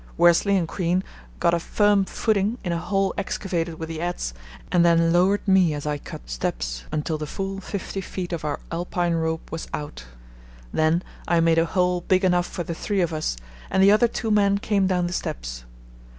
Worsley and Crean got a firm footing in a hole excavated with the adze and then lowered me as I cut steps until the full 50 ft. of our alpine rope was out. Then I made a hole big enough for the three of us, and the other two men came down the steps.